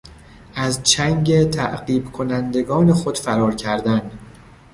از چنگ تعقیب کنندگان خود فرار کردن